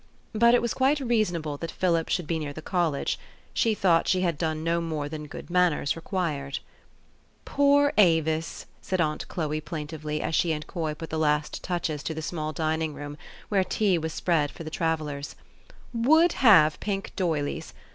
But it was quite reasonable that Philip should be near the college : she thought she had done no more than good manners required. THE STORY OF AVIS. 237 "Poor Avis," said aunt Chloe plaintively, as she and Coy put the last touches to the small dining room, where tea was spread for the travellers, " would have pink doyleys.